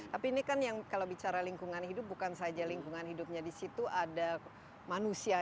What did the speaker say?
tapi ini kan yang kalau bicara lingkungan hidup bukan saja lingkungan hidupnya di situ ada manusia